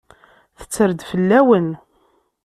Tetter-d fell-awen.